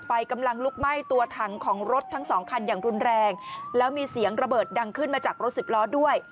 ไฟกำลังลุกไหม้ตัวถังของรถทั้งสองคันอย่างรุนแรงแล้วมีเสียงระเบิดดังขึ้นมาจากรถสิบล้อด้วย